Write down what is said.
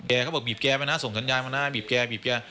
เขาบอกบีบแกมานะส่งสัญญาณมานะบีบแกบีบแก